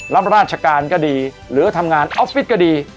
รับราชการก็ดีหรือทำงานออฟฟิศก็ดี